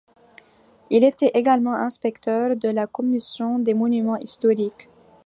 Il était également inspecteur de la Commission des monuments historiques.